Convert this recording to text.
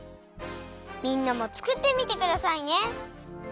みんなもつくってみてくださいね。